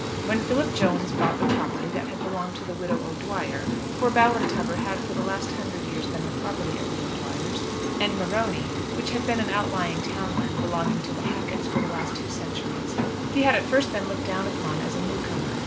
When Philip Jones bought the property that had belonged to the widow O'Dwyer for Ballintubber had for the last hundred years been the property of the O'Dwyers and Morony, which, had been an outlying town land belonging to the Hacketts for the last two centuries, he had at first been looked down upon as a new comer.